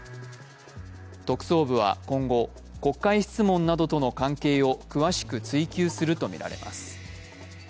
特捜部は今後、国会質問などとの関係を詳しく追及するとみられます。